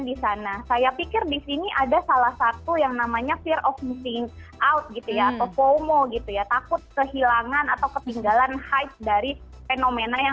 dan keviralan sayem